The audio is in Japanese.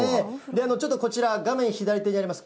ちょっとこちら、画面左手にあります